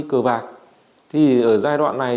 cờ bạc thì ở giai đoạn này